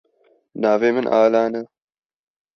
Navê min Alan e.